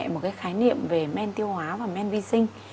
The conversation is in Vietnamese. một cái khái niệm về men tiêu hóa và men vi sinh